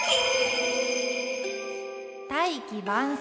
「大器晩成」。